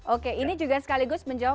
oke ini juga sekaligus menjawab